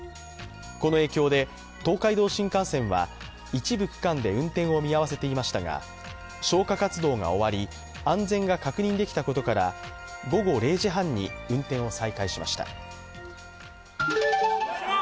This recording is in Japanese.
この影響で、東海道新幹線は一部区間で運転を見合わせていましたが、消火活動が終わり安全が確認できたことから午後０時半に運転を再開しました。